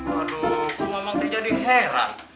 aduh kok ngomong teh jadi heran